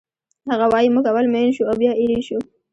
هغه وایی موږ اول مین شو او بیا ایرې شو